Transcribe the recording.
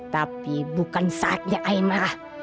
tapi bukan saatnya i marah